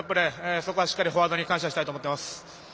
そこはフォワードに感謝したいと思います。